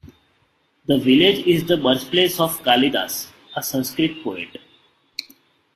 The village is the birthplace of Kalidas, a Sanskrit poet.